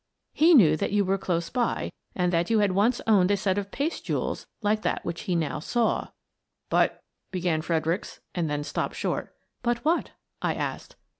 He knew that you were close by and that you had once owned a set of paste jewels like that which he now saw —" "But —" began Fredericks, and then stopped short. "But what?" I asked.